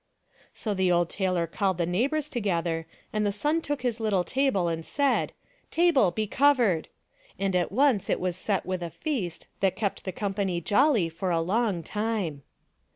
So the old tailor called the neighbors together and the son took his little table and said, " Table, be covered !" and at once it was set with a feast that kept the company jolly for a long time.